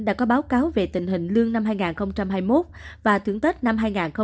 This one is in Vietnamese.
đã có báo cáo về tình hình lương năm hai nghìn hai mươi một và thưởng tết năm hai nghìn hai mươi bốn